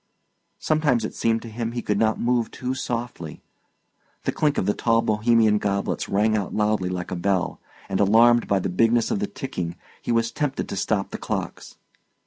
Sometimes it seemed to him he could not move too softly; the clink of the tall Bohemian goblets rang out loudly like a bell; and alarmed by the bigness of the ticking, he was tempted to stop the clocks.